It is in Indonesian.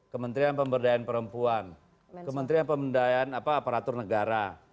kementerian pemberdayaan perempuan kementerian pemberdayaan aparatur negara